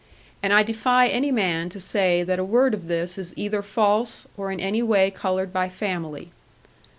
And I defy any man to say that a word of this is either false, or in any way coloured by family.